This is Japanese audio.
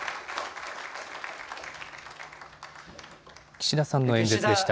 岸田さんの演説でした。